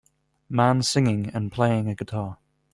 Man singing and playing a guitar.